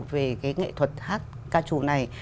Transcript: về cái nghệ thuật hát ca trù này